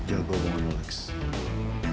kalau lo bukan anak koreor gue abisin